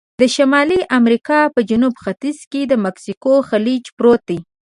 د شمالي امریکا په جنوب ختیځ کې د مکسیکو خلیج پروت دی.